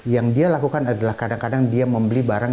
yang dia lakukan adalah kadang kadang dia membeli barang